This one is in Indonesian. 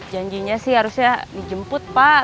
janjinya sih harusnya dijemput pak